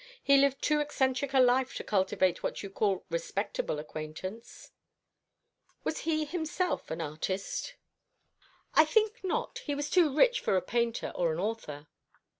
He lived too eccentric a life to cultivate what you call respectable acquaintance." "Was he himself an artist?" "I think not. He was too rich for a painter or an author."